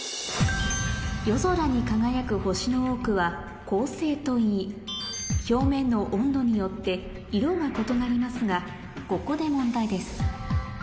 夜空に輝く星の多くは恒星といい表面の温度によって色が異なりますがここで問題です